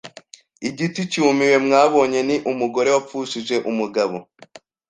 Igiti cyumiwe mwabonye ni umugore wapfushije umugabo